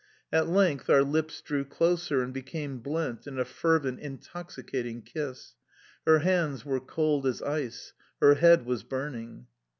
At length our lips drew closer and became blent in a fervent, intoxicating kiss. Her hands were cold as ice; her head was burning.